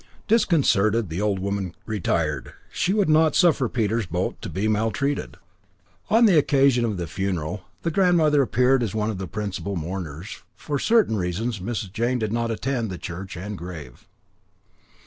Disconcerted, the old woman retired; she would not suffer Peter's boat to be maltreated. On the occasion of the funeral, the grandmother appeared as one of the principal mourners. For certain reasons, Mrs. Jane did not attend at the church and grave.